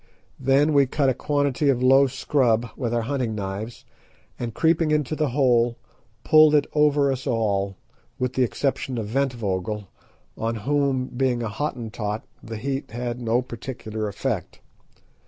Then we cut a quantity of low scrub with our hunting knives, and creeping into the hole, pulled it over us all, with the exception of Ventvögel, on whom, being a Hottentot, the heat had no particular effect.